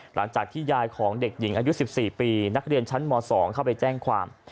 หลังจากที่ยายของเด็กหญิงอายุ๑๔ปีนักเรียนชั้นม๒เข้าไปแจ้งความ